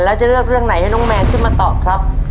แล้วจะเลือกเรื่องไหนให้น้องแมนขึ้นมาตอบครับ